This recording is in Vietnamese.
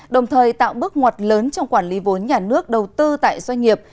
đồng thời tạo bước ngoặt lớn trong quản lý vốn nhà nước đầu tư tại doanh nghiệp